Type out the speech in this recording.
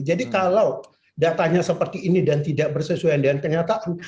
jadi kalau datanya seperti ini dan tidak bersesuaian dengan kenyataan